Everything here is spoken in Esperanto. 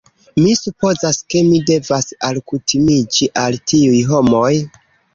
Mi supozas, ke mi devas alkutimiĝi al tiuj homoj